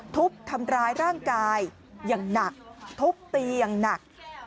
ทุบทำร้ายร่างกายอย่างหนักทุบตีอย่างหนัก